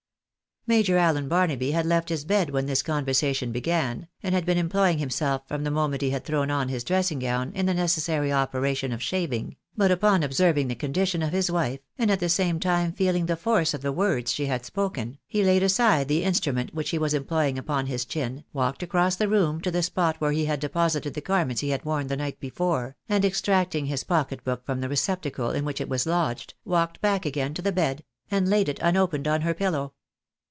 Major Allen Barnaby had left his bed when this conversation began, and had been employing himself from the moment he had tlurown on his dressing gown in the necessary operation of shaving, but upon observing the condition of his wife, and at the same time feeling the force of the words she had spoken, he laid aside the instrument which he was employing upon his chin, walked across the room to the spot where he had deposited the garments he had worn the night before, and extracting his pocket book from the receptacle in which it was lodged, walked back again to the bed, and laid it unopened on her pillow.